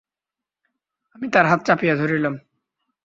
আমি তার হাত চাপিয়া ধরিলাম।